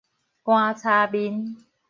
棺柴面